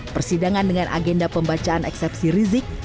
persidangan dengan agenda pembacaan eksepsi rizik